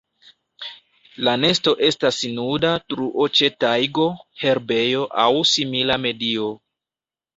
La nesto estas nuda truo ĉe tajgo, herbejo aŭ simila medio.